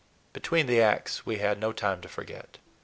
Between the acts we had no time to forget.